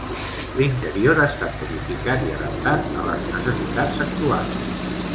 L'interior ha estat modificat i adaptat a les necessitats actuals.